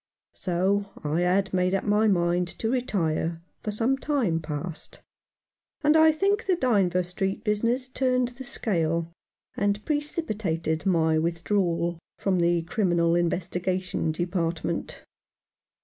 So I had made up my mind to retire for some time past ; and I think the Dynevor Street business turned the scale, and precipitated my withdrawal from the Criminal Investigation Department.